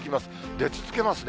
出続けますね。